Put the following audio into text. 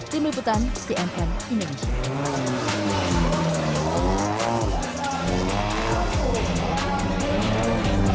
tim liputan cmn indonesia